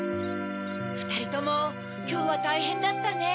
ふたりともきょうはたいへんだったね。